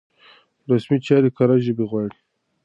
رسمي چارې کره ژبه غواړي.